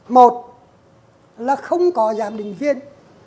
một là không có giám định viên